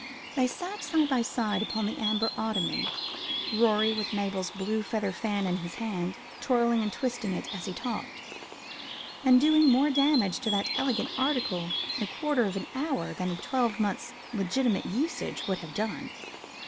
They sat side by side upon the amber ottoman, Rorie with Mabel's blue feather fan in his hand, twirling and twisting it as he talked, and doing more damage to that elegant article in a quarter of an hour than a twelvemonth's legitimate usage would have done.